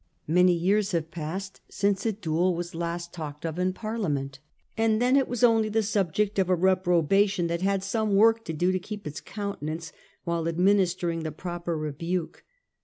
Many years have passed since a duel was last talked of in Parliament ; and then it was only the subject of a reprobation that had some work to do to keep its countenance while administering the proper rebuke.